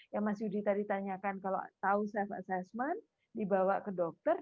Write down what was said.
yang mas yudi tadi tanyakan kalau tahu self assessment dibawa ke dokter